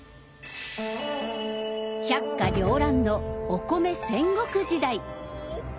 百花繚乱のお米戦国時代！